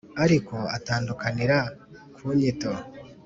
ariko atandukanira ku nyito